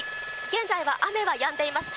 現在は雨はやんでいます。